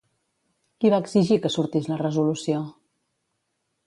Qui va exigir que sortís la resolució?